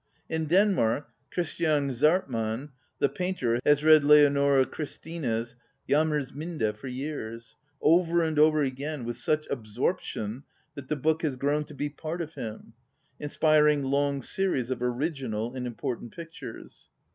In Denmark, Christian Zahrtmann, the painter, has read Leonora Chris tina's " Jammersminde " for years, over and over again, with such ab sorption that the book has grown to be part of him, inspiring long series of original and important pictures.